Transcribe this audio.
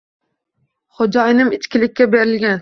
Xo`jayinim ichkilikka berilgan